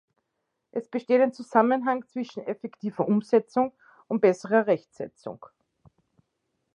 Es besteht ein Zusammenhang zwischen effektiver Umsetzung und besserer Rechtsetzung.